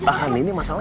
bahan nih ini masalahnya